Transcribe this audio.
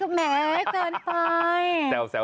อันนี้ก็แม้เกินไป